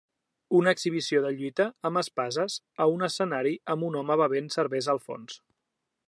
Una exhibició de lluita amb espases a un escenari amb un home bevent cervesa al fons.